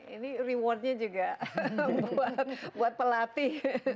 ini rewardnya juga buat pelatih